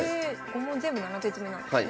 ５問全部７手詰なんですね。